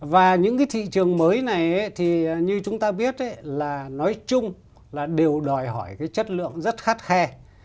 và những cái thị trường mới này thì như chúng ta biết là nói chung là đều đòi hỏi cái chất lượng rất khắt khe